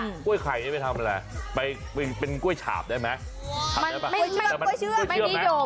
แต่กล้วยไข่ไม่ไปทำอะไรไปเป็นกล้วยฉาบได้ไหม